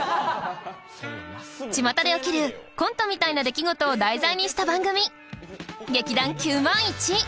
ちまたで起きるコントみたいな出来事を題材にした番組「劇団９０００１」。